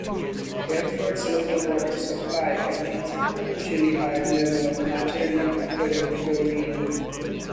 Hereford's local water supply contains an unusually high level of naturally occurring fluorine.